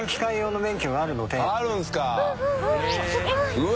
うわ！